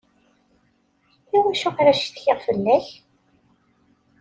Iwacu ara ccetkiɣ fella-k?